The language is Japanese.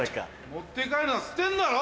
持って帰るなっつってんだろ！